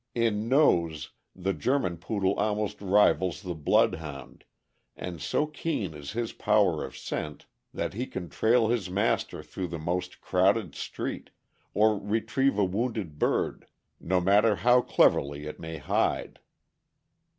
In nose the German Poodle almost rivals the Blood hound, and so keen is his power of scent that he can trail his master through the most crowded street, or retrieve a wounded bird, no matter how cleverly it may hide.